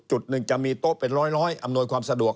จุดหนึ่งจะมีโต๊ะเป็นร้อยอำนวยความสะดวก